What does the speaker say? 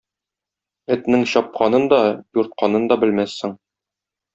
Этнең чапканын да, юртканын да белмәссең.